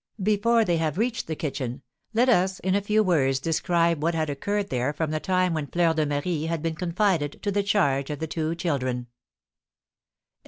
Before they have reached the kitchen, let us in a few words describe what had occurred there from the time when Fleur de Marie had been confided to the charge of the two children.